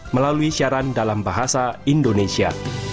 melalui siaran dalam bahasa indonesia